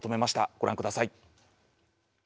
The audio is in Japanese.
ご覧ください。